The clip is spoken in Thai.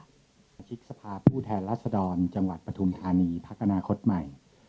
สมาชิกสภาพผู้แทนรัศดรจังหวัดปฐุมธานีพักอนาคตใหม่